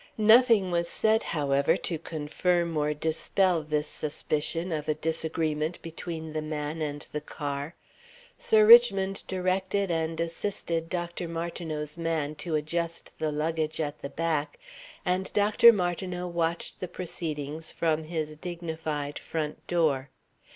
Nothing was said, however, to confirm or dispel this suspicion of a disagreement between the man and the car. Sir Richmond directed and assisted Dr. Martineau's man to adjust the luggage at the back, and Dr. Martineau watched the proceedings from his dignified front door.